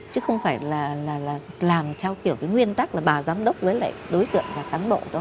chứ không phải là làm theo kiểu cái nguyên tắc là bà giám đốc với lại đối tượng là cán bộ đâu